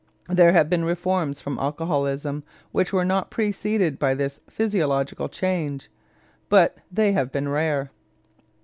There have been reforms from alcoholism which were not preceded by this physiological change, but they have been rare.